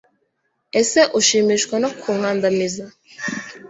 ese ushimishwa no kunkandamiza